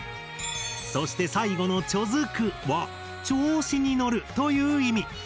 そして最後の「チョヅク」は「調子に乗る」という意味。